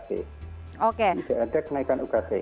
tidak ada kenaikan ukt